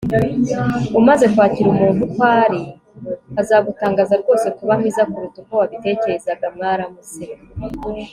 umaze kwakira umuntu uko ari, azagutangaza rwose kuba mwiza kuruta uko wabitekerezaga. mwaramutse